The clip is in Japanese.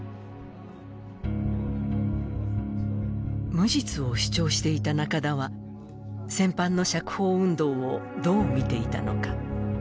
無実を主張していた中田は戦犯の釈放運動をどう見ていたのか。